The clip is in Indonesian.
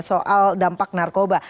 soal dampak narkoba